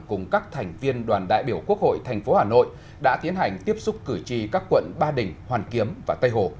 cùng các thành viên đoàn đại biểu quốc hội tp hà nội đã tiến hành tiếp xúc cử tri các quận ba đình hoàn kiếm và tây hồ